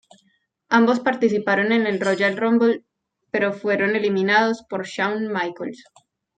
Ambos participaron en Royal Rumble pero fueron eliminados por Shawn Michaels.